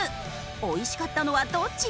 美味しかったのはどっち？